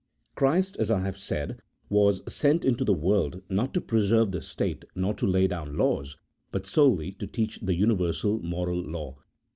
Christ, as I have said, was sent into the world, not to preserve the state nor to lay down laws, but solely to teach the universal moral law, so CHAP.